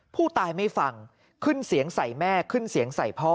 ผู้ตายไม่ฟังขึ้นเสียงใส่แม่ขึ้นเสียงใส่พ่อ